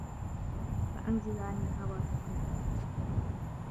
فَانْزِلْ عَنْ الْهَوَى تَسْلَمْ